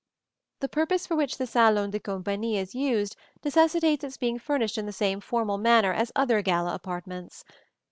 The purpose for which the salon de compagnie is used necessitates its being furnished in the same formal manner as other gala apartments.